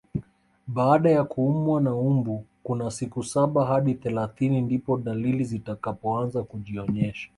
Baada ya kuumwa na mbu kuna siku saba hadi thelathini ndipo dalili zitakapoanza kujionyesha